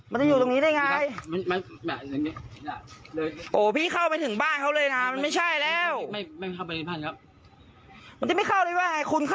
มันไม่มีใครอยู่ด้วยไงก็มีเจ้าของบ้าน